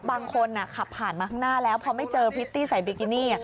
คนขับผ่านมาข้างหน้าแล้วพอไม่เจอพริตตี้ใส่บิกินี่